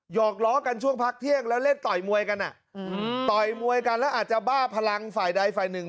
อกล้อกันช่วงพักเที่ยงแล้วเล่นต่อยมวยกันต่อยมวยกันแล้วอาจจะบ้าพลังฝ่ายใดฝ่ายหนึ่ง